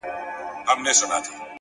د شپې تیاره د شیانو شکل بدلوي’